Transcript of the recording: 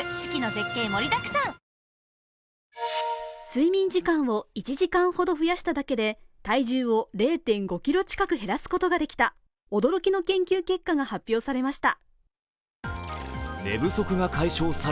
睡眠時間を１時間ほど増やしただけで体重を０．５ｋｇ近く減らすことができた驚きの研究結果が発表されました。